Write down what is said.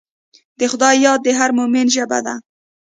د خدای یاد د هر مؤمن ژبه ده.